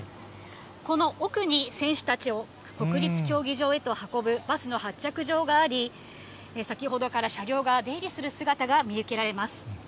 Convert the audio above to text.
この奥に、選手たちを国立競技場へと運ぶバスの発着場があり、先ほどから車両が出入りする姿が見受けられます。